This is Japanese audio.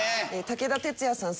武田鉄矢さん